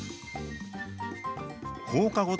放課後等